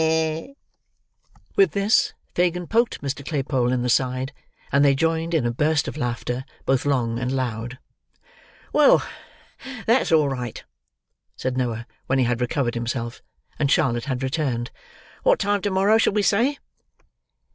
ha! ha!" With this, Fagin poked Mr. Claypole in the side, and they joined in a burst of laughter both long and loud. "Well, that's all right!" said Noah, when he had recovered himself, and Charlotte had returned. "What time to morrow shall we say?"